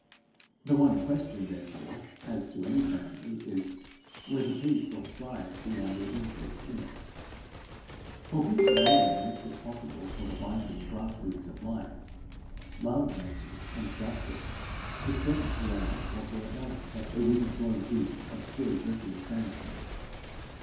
The one question, therefore, as to any family is, whether peace or strife be on the increase in it; for peace alone makes it possible for the binding grass roots of life love, namely, and justice to spread throughout what were else but a wind blown heap of still drifting sand.